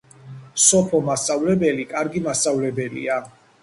სოფო მასწავლებელი კარგი მასწავლებელია